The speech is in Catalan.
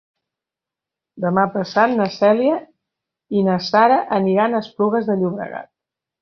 Demà passat na Cèlia i na Sara aniran a Esplugues de Llobregat.